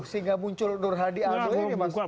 sehingga muncul nur hadi aldo ini mas